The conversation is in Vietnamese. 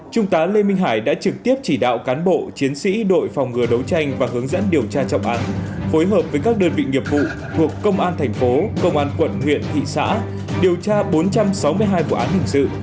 trung tá lê minh hải đã trực tiếp chỉ đạo cán bộ chiến sĩ đội phòng ngừa đấu tranh và hướng dẫn điều tra trọng án phối hợp với các đơn vị nghiệp vụ thuộc công an thành phố công an quận huyện thị xã điều tra bốn trăm sáu mươi hai vụ án hình sự